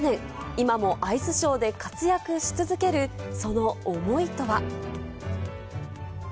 今もアイスショーで活躍し続けるその思いとは。